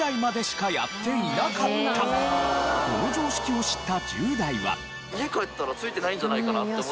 この常識を知った１０代は。